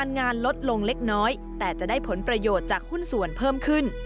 งานลดลงเล็กน้อยแต่จะได้ผลประโยชน์จากหุ้นส่วนเพิ่มขึ้น